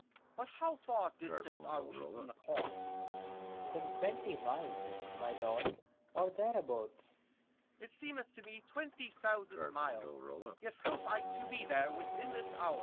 Corn. But how far distant are we from the court ? Serv . Some twenty miles, my lord, or thereabouts. Corn. It seemeth to me twenty thousand miles : Yet hope I to be there within this hour.